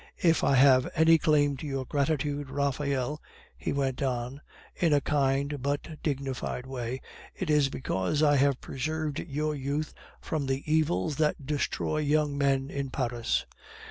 If I have any claim to your gratitude, Raphael,' he went on, in a kind but dignified way, 'it is because I have preserved your youth from the evils that destroy young men in Paris.